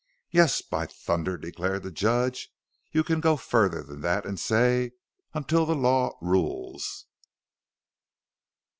"Yes, by thunder!" declared the judge. "You can go further than that and say: 'until the Law rules!'"